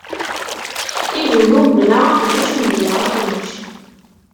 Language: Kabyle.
Ibennu mebla aqbuc, mebla aqnuc.